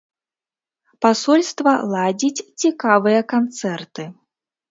Пасольства ладзіць цікавыя канцэрты.